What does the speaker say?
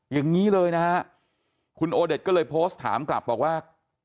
อย่างนี้เลยนะฮะคุณโอเดชก็เลยโพสต์ถามกลับบอกว่า